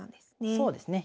そうですね。